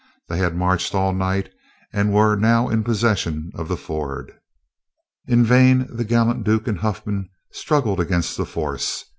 They had marched all night, and were now in possession of the ford. In vain the gallant Duke and Huffman struggled against that force.